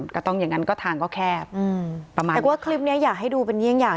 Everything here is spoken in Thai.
ก็ต้องอย่างนั้นก็ทางก็แคบอืมประมาณแต่ว่าคลิปเนี้ยอยากให้ดูเป็นเยี่ยงอย่าง